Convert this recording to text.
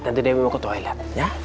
tante dewi mau ke toilet